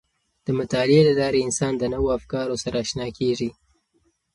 د مطالعې له لارې انسان د نوو افکارو سره آشنا کیږي.